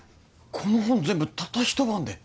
この本全部たった一晩で？